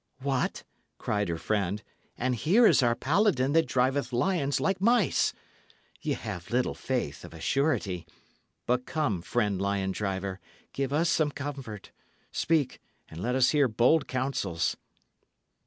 "What!" cried her friend. "And here is our paladin that driveth lions like mice! Ye have little faith, of a surety. But come, friend lion driver, give us some comfort; speak, and let us hear bold counsels."